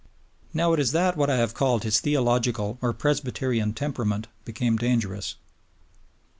Now it was that what I have called his theological or Presbyterian temperament became dangerous.